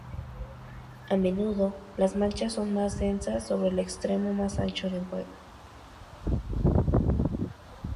A menudo, las manchas son más densas sobre el extremo más ancho del huevo.